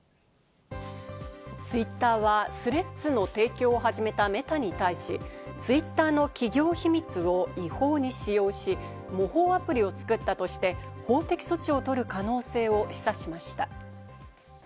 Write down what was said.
ツイッターはスレッズの提供を始めたメタに対し、ツイッターの企業秘密を違法に使用し、模倣アプリを作ったとして法的措置を取る可能性を示唆しました。